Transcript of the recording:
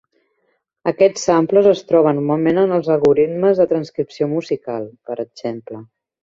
Aquests samplers es troben normalment en els algoritmes de transcripció musical, per exemple.